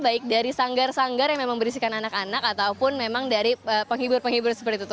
air sanggar yang memang berisikan anak anak ataupun memang dari penghibur penghibur seperti itu